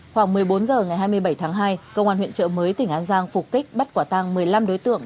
khoảng một mươi bốn h ngày hai mươi bảy tháng hai công an huyện trợ mới tỉnh an giang phục kích bắt quả tăng một mươi năm đối tượng